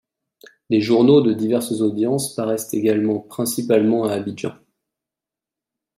Des journaux de diverses audiences paraissent également principalement à Abidjan.